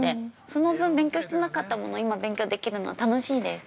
その分、勉強してなかったものを今、勉強できるのは楽しいです。